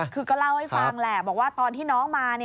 คือก็เล่าให้ฟังแหละบอกว่าตอนที่น้องมา